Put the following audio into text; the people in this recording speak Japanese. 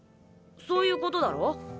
そういうことだろ？